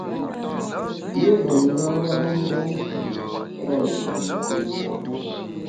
Yire ṅara-mgbom pua’ ghamkéri.